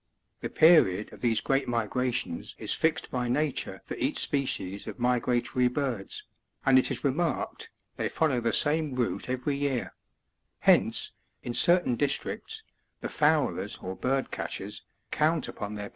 The period of these great migrations is fixed by nature for each species of migratory birds, and it is remarked, they follow the same route every year: hence, in certain districts, the fowlers or bird catchers, count upon their pa.